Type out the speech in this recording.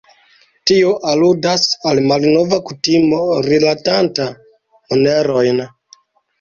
Tio aludas al malnova kutimo rilatanta monerojn.